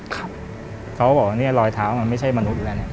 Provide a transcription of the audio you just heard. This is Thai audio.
เขาบอกว่าเนี่ยรอยเท้ามันไม่ใช่มนุษย์แล้วเนี่ย